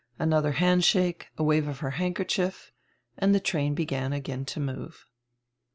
Anodier handshake, a wave of her handkerchief, and die train began again to move.